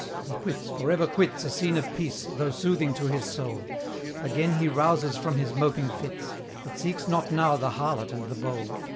he quits, for ever quits A scene of peace, though soothing to his soul: Again he rouses from his moping fits, But seeks not now the harlot and the bowl.